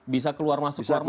bisa keluar masuk kemudian ya